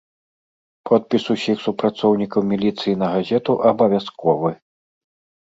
Подпіс усіх супрацоўнікаў міліцыі на газету абавязковы.